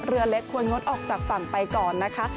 เรือเล็กควรงดออกจากฝั่งไปก่อนนะคะ